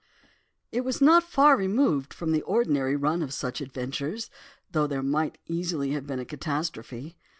"It was not far removed from the ordinary run of such adventures, though there might easily have been a catastrophe.